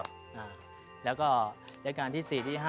วัดสุทัศน์นี้จริงแล้วอยู่มากี่ปีตั้งแต่สมัยราชการไหนหรือยังไงครับ